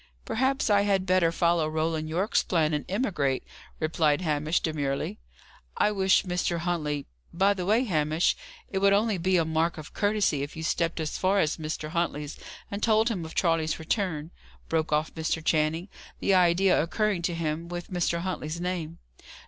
"Perhaps I had better follow Roland Yorke's plan, and emigrate," replied Hamish, demurely. "I wish Mr. Huntley By the way, Hamish, it would only be a mark of courtesy if you stepped as far as Mr. Huntley's and told him of Charles's return," broke off Mr. Channing; the idea occurring to him with Mr. Huntley's name.